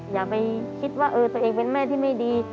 อย่าไปคิดว่าตัวเองเป็นแม่ที่ไม่ดี